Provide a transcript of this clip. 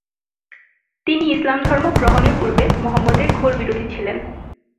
তিনি ইসলাম ধর্ম গ্রহণের পূর্বে মুহাম্মদের ঘোর বিরোধী ছিলেন।